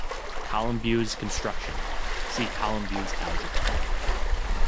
Colombeau's construction: see Colombeau algebra.